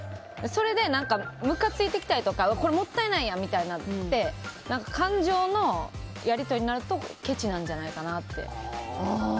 それでむかついてきたりもったいないやんって感情のやり取りになるとけちなんじゃないかなって。